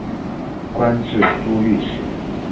官至都御史。